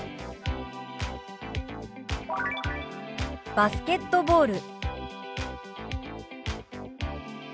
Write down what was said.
「バスケットボール」。